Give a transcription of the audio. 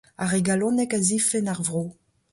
Ar re galonek a zifenn ar vro.